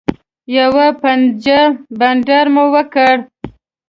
یوه پنجه بنډار مو وکړ.